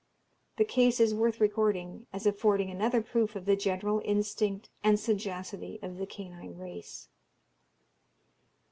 The case is worth recording, as affording another proof of the general instinct and sagacity of the canine race.